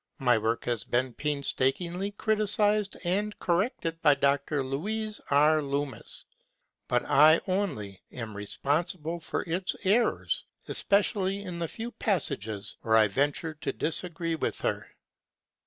My work has been painstakingly criticized and corrected by Dr. Louise R. Loomis, but I only am responsible for its errors, especially in the few passages where I ventured to disagree with her.